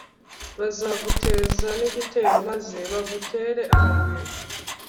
Bazaguteza n’igitero maze bagutere amabuye